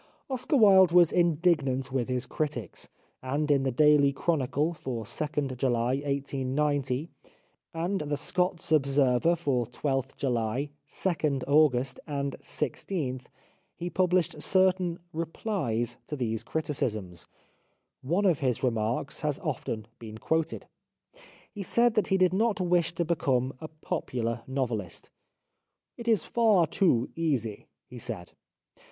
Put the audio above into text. Oscar Wilde was indignant with his critics, and in The Daily Chronicle for 2nd July 1890, 310 The Life of Oscar Wilde and The Scots Observer for 12th July, 2nd August, and i6th, he published certain " replies " to these criticisms. One of his remarks has often been quoted. He said that he did not wish to become a popular novelist. " It is far too easy," he said.